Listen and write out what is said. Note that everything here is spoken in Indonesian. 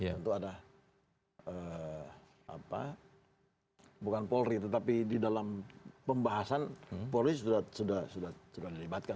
tentu ada bukan polri tetapi di dalam pembahasan polri sudah dilibatkan